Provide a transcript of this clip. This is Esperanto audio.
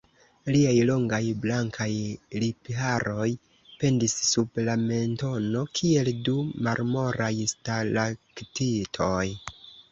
Liaj longaj blankaj lipharoj pendis sub la mentono kiel du marmoraj stalaktitoj.